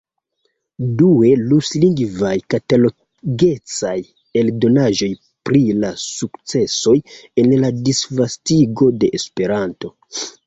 Due, ruslingvaj, katalogecaj eldonaĵoj pri la sukcesoj en la disvastigo de Esperanto.